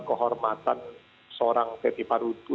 kehormatan seorang teti paruntu